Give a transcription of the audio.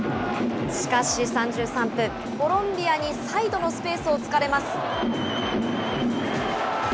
しかし３３分、コロンビアにサイドのスペースをつかれます。